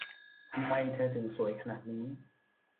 ทำไมเธอถึงสวยขนาดนี้